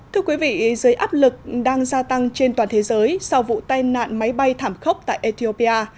thưa quý vị giới áp lực đang gia tăng trên toàn thế giới sau vụ tai nạn máy bay thảm khốc tại ethiopia